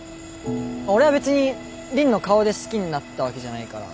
俺は別に凜の顔で好きになったわけじゃないから。